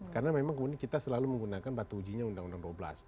karena memang kita selalu menggunakan batu ujinya undang undang dua belas